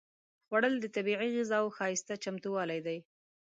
خوړل د طبیعي غذاوو ښايسته چمتووالی دی